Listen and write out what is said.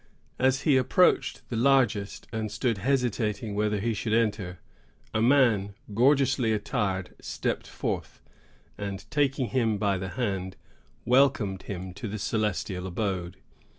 As he approached the largest, and stood hesitating whether he should enter, a man gorgeously attired stepped forth, and, taking him by the hand, welcomed him to the celestial abode.